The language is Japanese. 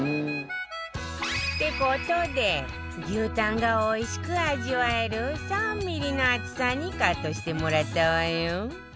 って事で牛タンがおいしく味わえる３ミリの厚さにカットしてもらったわよ